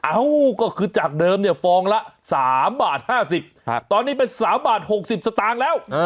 อ้าวก็คือจากเดิมฟองละ๓๕๐บาทตอนนี้เป็น๓๖๐สตางค์แล้ว